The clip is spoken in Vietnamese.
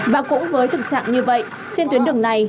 và cũng với thực trạng như vậy trên tuyến đường này